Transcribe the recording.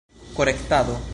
korektado